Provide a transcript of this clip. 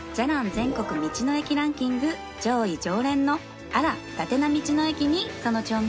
全国道の駅ランキング上位常連のあ・ら・伊達な道の駅にその調味料があります